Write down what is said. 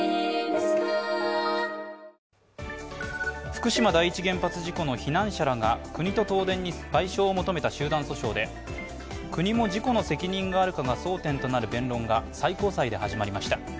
福島第一原発事故の避難者らが国と東電に賠償を求めた集団訴訟で国も事故の責任があるかが争点となる弁論が最高裁で始まりました。